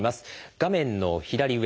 画面の左上